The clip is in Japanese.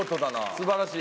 素晴らしい。